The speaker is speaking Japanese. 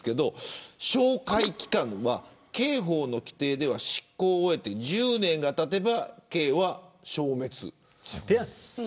照会期間は刑法の規定では執行を終えて１０年がたてば刑は消滅する。